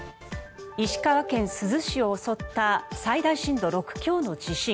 石川県珠洲市を襲った最大震度６強の地震。